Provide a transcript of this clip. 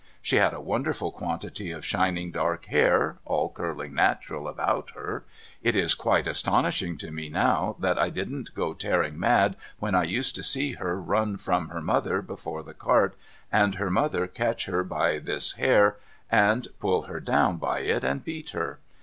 She had a wonderful quantity of shining dark hair, all curling natural about her. It is quite astonishing to me now, that I didn't go tearing mad when I used to see her run from her mother before 388 DOCTOR MARIGOLD the cart, and her mother catch her by this hair, and pull her down by it, and beat her.